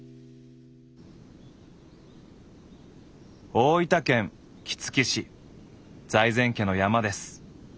大分県杵築市財前家の山です。